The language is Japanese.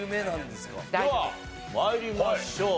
では参りましょう。